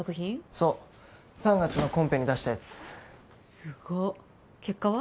そう３月のコンペに出したやつすご結果は？